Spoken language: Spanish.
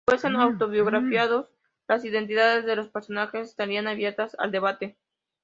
Si fuesen autobiográficos, las identidades de los personajes estarían abiertas al debate.